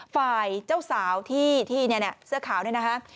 ฝ่ายเจ้าสาวที่เนี่ยเสื้อขาวนี่นะคะ